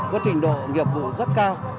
có trình độ nghiệp vụ rất cao